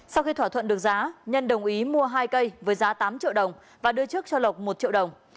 sau khi thỏa thuận được giá nhân đồng ý mua hai cây với giá tám triệu đồng và đưa trước cho lộc một triệu đồng